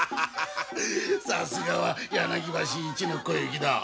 さすがは柳橋一の小雪だ。